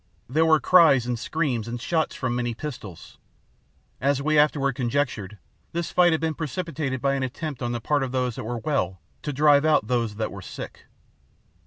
There were cries and screams, and shots from many pistols. As we afterward conjectured, this fight had been precipitated by an attempt on the part of those that were well to drive out those that were sick.